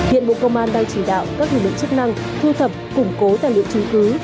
hiện bộ công an đang chỉ đạo các lực lượng chức năng thu thập củng cố tài liệu chứng cứ